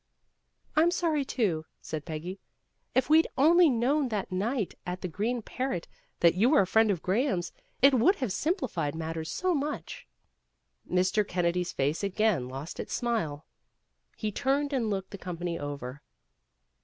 "I'm sorry, too," said Peggy. "If we'd only known that night at the Green Parrot that you were a friend of Graham's it would have simplified matters so much." Mr. Kennedy's face again lost its smile. He turned and looked the company over.